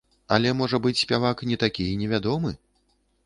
Але можа быць спявак не такі і невядомы?